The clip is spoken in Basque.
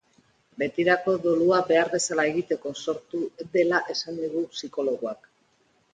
Betirako dolua behar bezala egiteko sortu dela esan digu psikologoak.